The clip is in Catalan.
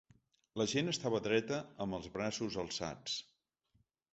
La gent estava dreta amb els braços alçats.